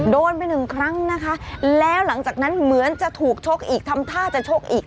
โดนไปหนึ่งครั้งนะคะแล้วหลังจากนั้นเหมือนจะถูกชกอีกทำท่าจะชกอีก